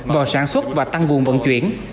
vào sản xuất và tăng vùng vận chuyển